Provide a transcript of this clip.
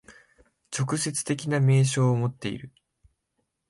直接的な明証をもっている。